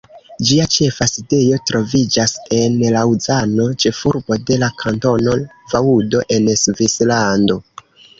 Ĝia ĉefa sidejo troviĝas en Laŭzano, ĉefurbo de la Kantono Vaŭdo en Svislando.